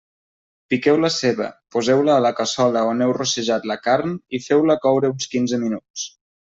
Piqueu la ceba, poseu-la a la cassola on heu rossejat la carn i feu-la coure uns quinze minuts.